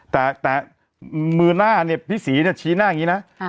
แต่มือหน้าเนี่ยพี่ศรีเนี่ยชี้หน้าอย่างนี้นะ